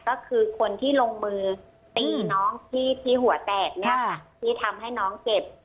ก็คือคนที่ลงมือตีน้องที่หัวแตกเนี่ยค่ะที่ทำให้น้องเจ็บ